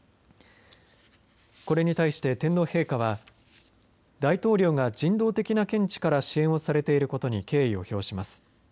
これに対して天皇陛下は大統領が人道的な見地から支援をされていることに敬意を表します。